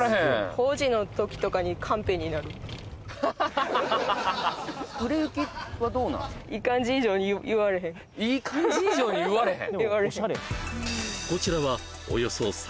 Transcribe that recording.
法事の時とかにカンペになるハハハハいい感じ以上に言われへん？